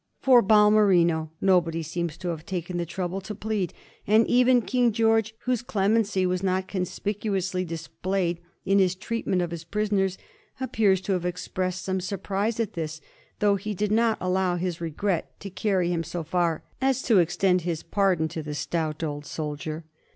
For Balmerino nobody seems to have taken the trouble to plead, and even King George, whose clemency was not conspicuously displayed in his treatment of his prisoners, appears to have expressed some surprise at this, though he did not allow his regret to carry him so far as to ex tend his pardon to the stout old soldier.